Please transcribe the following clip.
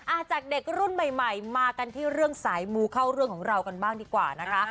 จากเด็กรุ่นใหม่ใหม่มากันที่เรื่องสายมูเข้าเรื่องของเรากันบ้างดีกว่านะคะ